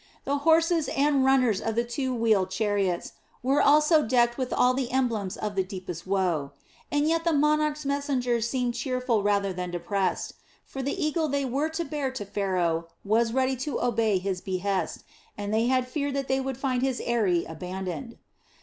The horses and runners of the two wheeled chariots were also decked with all the emblems of the deepest woe. And yet the monarch's messengers seemed cheerful rather than depressed; for the eagle they were to bear to Pharaoh was ready to obey his behest, and they had feared that they would find his eyrie abandoned.